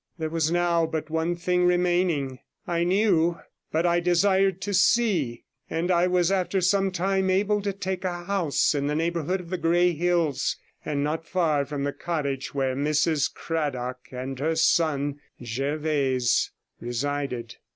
There was now but one thing remaining. I knew, but I desired to see, and I was after some time able to take a house in the neighbourhood of the Grey Hills, and not far from the cottage where Mrs Cradock and her son Jervase resided.